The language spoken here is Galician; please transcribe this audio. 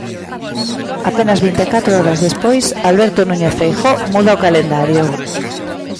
Apenas vinte e catro horas despois Alberto Núñez Feijóo muda o calendario.